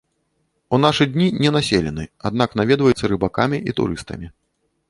У нашы дні ненаселены, аднак наведваецца рыбакамі і турыстамі.